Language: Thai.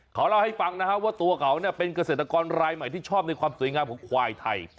เขาเล่าให้ฟังนะฮะว่าตัวเขาเป็นเกษตรกรรายใหม่ที่ชอบในความสวยงามของควายไทย